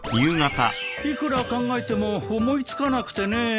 いくら考えても思いつかなくてねぇ。